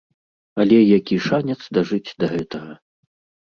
Але які шанец дажыць да гэтага!